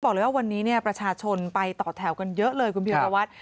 บอกเลยว่าวันนี้ประชาชนไปต่อแถวกันเยอะเลยคุณพิรวัตร